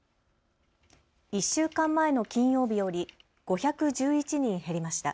１週間前の金曜日より５１１人減りました。